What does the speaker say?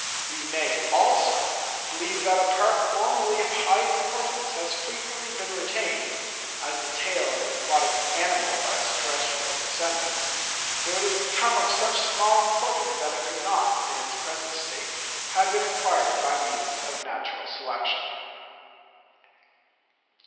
We may, also, believe that a part formerly of high importance has frequently been retained (as the tail of an aquatic animal by its terrestrial descendants), though it has become of such small importance that it could not, in its present state, have been acquired by means of natural selection.